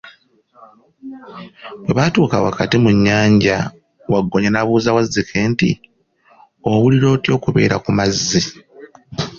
Bwe batuuka wakati mu nnyanja, Waggoonya n'abuuza Wazzike nti, owulira otya okubeera ku mazzi?